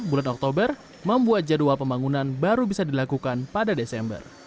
bulan oktober membuat jadwal pembangunan baru bisa dilakukan pada desember